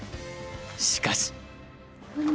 しかし。